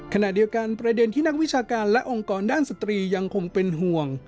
ขณะเดียวกันประเด็นที่นักวิชาการและองค์กรด้านสตรียังคงเป็นห่วง